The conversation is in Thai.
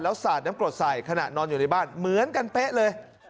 สาดน้ำกรดใส่ขณะนอนอยู่ในบ้านเหมือนกันเป๊ะเลย